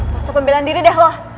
masa pembelan diri deh loh